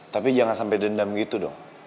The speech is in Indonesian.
tapi jangan sampai dendam gitu dong